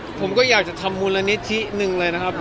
ใช่ผมก็อยากจะทำมูลละนิดที่หนึ่งเลยนะครับ